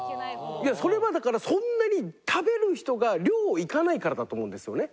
いやそれはだからそんなに食べる人が量をいかないからだと思うんですよね。